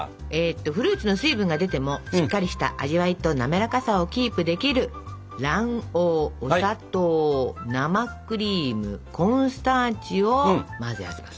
フルーツの水分が出てもしっかりした味わいとなめらかさをキープできる卵黄お砂糖生クリームコーンスターチを混ぜ合わせます。